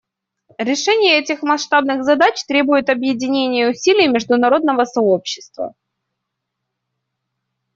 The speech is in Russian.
Решение этих масштабных задач требует объединения усилий международного сообщества.